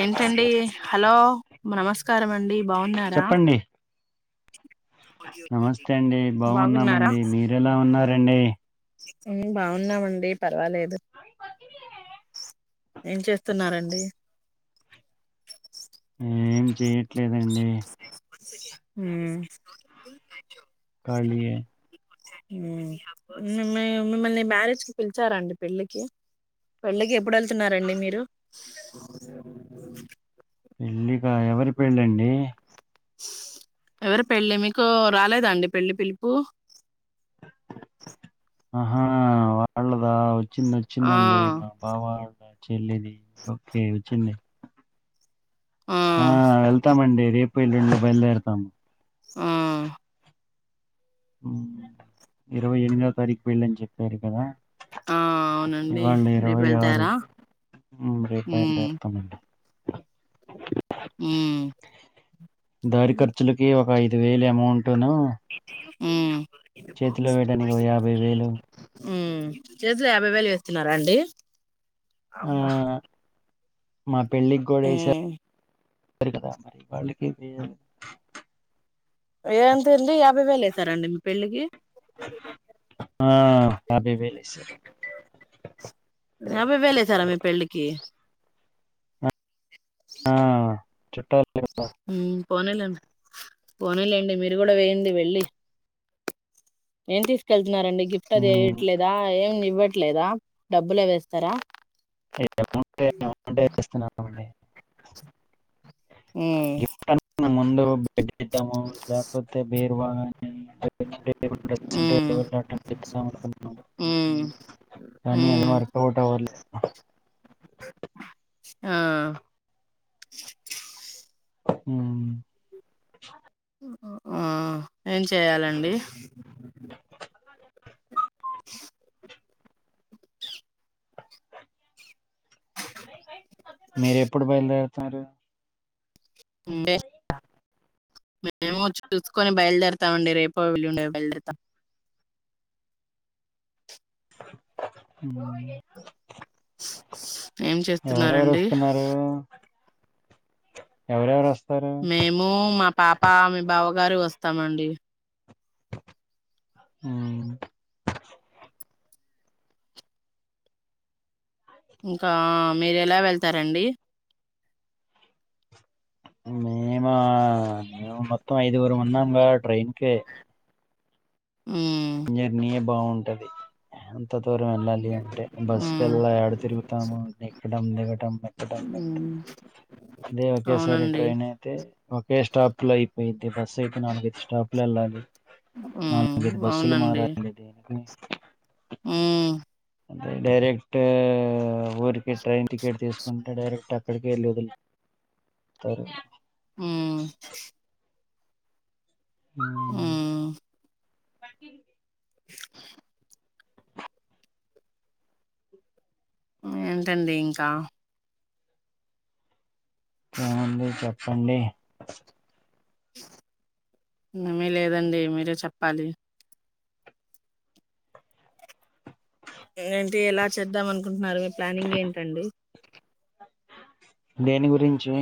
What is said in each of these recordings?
ఏంటండి హలో నమస్కార అండి బాగున్నారా చెప్పండి నమస్తే అండి బాగున్నారా బాగున్నామండి మీర ఎలా ఉన్నారు రండి బాగున్నామండి పర్వాలేదు ఏం చేస్తున్నారంండి ఏం చెయట్లేదండి అ కలి మిమ్ మిమ్మల్ని మ్యారేజ్కిి పిలిచారాండి పెళ్లిికి పెళ్ళికి ఎప్పుడు వెళ్తున్నారంండి మీరు పెళ్ళిక ఎవరి పెళ్ళండి ఎవరు పెళ్ళి మీకు రాలేదండి పెళ్లిి పిలుపు ఆహా వాళ్ళ ఇ వచ్చింది ఆ వచ్చిందండి మా బాబ చెల్ది ఓకే ఉచి ఆ వెళ్తామండి రేపు ఇల్లుెండు బయలుదేరతాము ఆ ఇరవై ఎనిమిదో తారీఖు వెళ్ళని చెప్పారు కదా ఆ అవునండి ఇవాళ రేపు ఇరవై ఆరు వెళ్తారా రేపాయలు మ్మ్ తేరతామండి మ్మ్ దయరి కర్చలక వా ఇ ఐదు వేలు అమౌంట్ ను యాభై వేలు ఆ చేలే అభ వెళ్ళ వస్త తన్నారా అండి అబ మత్ [unintelligible] పెళ్లికి గోడైస అారు కదా మరి వాళ్ళకే వేయ [unintelligible] ఏంతిది యాభి వే లే ఇస్తారాండి మీ ప పెళ్ికి ఆ అభ వెలి యాభై వేలు వేసారా మీ పెళ్ళికి ఆ [unintelligible] చుట్టల్ మ్మ్ పోనిలేండి పోనిలేండి, మీరు కూడా వేయిండి వెళ్ళి ఏమ్ తీసుకెల్ నారండి గిఫ్ట్ అది వేయట్లేదా ఏం ఇవ్ ఇవ్వట్లేదా డబ్బులే వేస్తారా ఇగ అమౌంటే అమౌంటే ఎస్తున్నాం అండి మ్మ్ గిఫ్ట్ అనుకున్న ముందు బెడ్ ఇద్దాము లేపోతే బీరువా [inaudible] ఉమ్ ఉమ్ కానీ అది వర్కౌట్ అవ్వలే ఆ మ్మ్ ఆ ఏం చేయాలండి మీర ఎప్పుడు బయలుదేరుతున్నారు [inaudible] మేము చూసుకొని బయలుదేరతామండి రేపో వేలుండో బయలుదేరతాం మ్మ్ ఏం ఎవరెవరు చేస్తున్నారండి వస్తున్నారు ఎవర్ ఎవర్ వస్త మేము మా పాప మీ బావ వరు వస్తామండి మ్మ్ ఇంకా మీర్ ఎలా వెళ్తారండి మేమా మేము మొత్తం ఐదుగురు ఉన్నాంగా ట్రైన్ కే ఉమ్ [inaudible] బావుంటది అంత త్వ దూరం వెళ్ళాలి అంటే బస్ ఉమ్ కెల్లా యాడ తిరుగుతాము టం దిగటం ఉమ్ [inaudible] అదే ఒకేసారి అవునండి ట్రైన్ అయితే ఒకే స్టాప్ లో అయిపోయిద్ది బస్సు అయితే నాలుగైదు స్టాప్ లో ఏళ్ళాలి హ్మ్ [inaudible] బస్ అవునండి [inaudible] మ్మ్ అదే డైరెక్టు ఊరికి ట్రైన్ టికెట్ తీసుకుంటే డైరెక్ట్ అ [inaudible] హ్మ్ హ్మ్ మ్ [inaudible] [unintelligible] ఉ ఏంటండి ఇంక ఏముంది చెప్పండి, [unintelligible] మే లేదండి మీరే చెప్పాలి ఏంటి ఎలా చేద్దాం అనుకుంటున్నారు మీ ప్లానింగ్ ఏంటండి. దేని గురించి,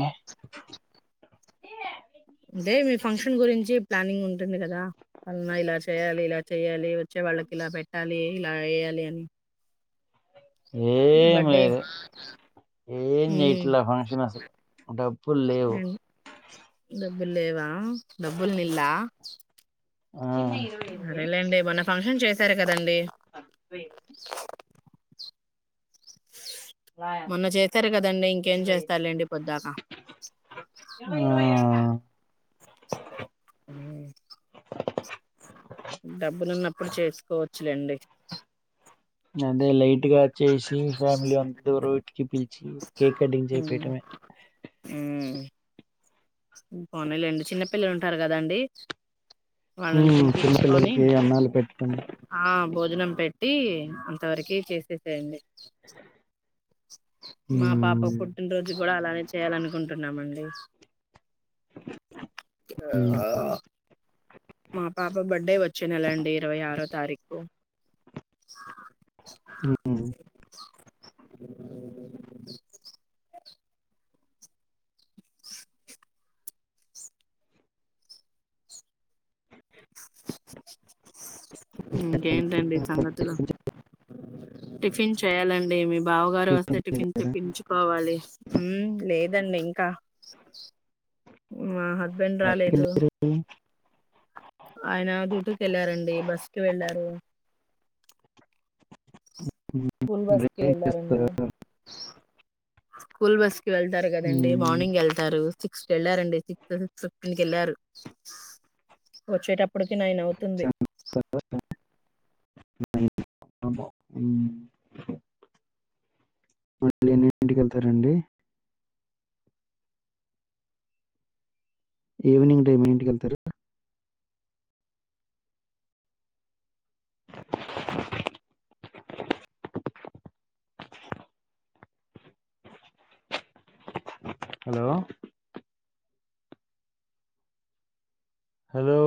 అదే మీ ఫంక్షన్ గురించి ప్లానింగ్ ఉంటుంది కదా అన్న ఇలా చేయాలి ఇలా చెయాలి వచ్చే వాళ్ళకి ఇలా పెట్టాలి ఇలా ఏయాలి అని ఏం బర్త్డే లేదు ఏం హ్మ్ చెయట్లా ఫంక్షన్ అసలు డబ్బుల్ లేవు హ్మ్. డబ్బులు లేవా ఆ డబ్బుల్ నిల్లా ఆ సరేలేండి మొన్న ఫంక్షన్ చేస్ సరె సరె అండి మొన్న చేసరు కదండి ఇంకేం చేస్తార్ లేండీ పొద్దాక ఆ డబ్బులున్నప్పుడు చేసుకో చ్చులేండి అదే లైట్ గా చేసి ఫ్యామిలీ అంత [unintelligible] పిల్చి కేక్ కటింగ్ ఉమ్ చేపియటమే ఉమ్. పోనీలేండి చిన్నపిల్లలు ఉంటారు గదా అండి హ్మ్ చిన్నపిల్లలకి అన్నాలు పెడ్తా ఆ భోజనం పెట్టి అంతవరకే చేసేసేయండి మా పాప ఉమ్, పుట్టినరోజు కూడా అలానే చేయాలను అనుకుంటున్నామండి ఉమ్, [unintelligible] ఆ [inaudible] హ్మ్ [inaudible] ఇంకేంటండి సంగతులు టిఫిన్ చేయాలండి మీ బావగారు వస్తే టిఫిన్ తెప్పించుకోవాలి ఉమ్ లేదు దండి ఇంకా ఆహ హస్బెండ్ ఎక్కడికి రాలేదు వెళ్ళారు? ఆయన డ్యూటీకి వెళ్ళారండి డి బస్ కి వెళ్ళారు ఉమ్, స్కూల్ బస్ కి డ్రైవింగ్ వెళ్ళారండి చేస్తారా? స్కూల్ బస్ వెళ్తారు కదండి ఉమ్, మార్నింగ్ వెళ్తారు సిక్స్ కు వెళ్ళారండి సిక్స్త్ సిక్స్ ఫిఫ్టీన్ కి వెళ్ళారు వచ్చేటప్పటికి నైన్ అవుతుంది చేస్తారా? అమ్మో హ్మ్ మళ్ళీ ఎన్నింటికి వెళ్తారండి ఈవినింగ్ టైం ఎన్నింటికి వెళ్తారు హలో హలో